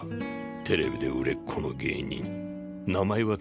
テレビで売れっ子の芸人名前は確かコウメ。